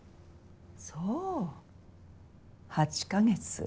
そう８カ月。